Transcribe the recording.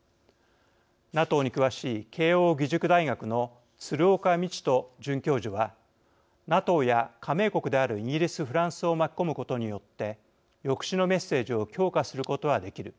ＮＡＴＯに詳しい慶應義塾大学の鶴岡路人准教授は「ＮＡＴＯや加盟国であるイギリスフランスを巻き込むことによって抑止のメッセージを強化することはできる。